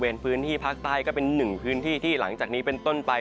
เป็นพื้นที่ภาคใต้ก็เป็นหนึ่งพื้นที่ที่หลังจากนี้เป็นต้นไป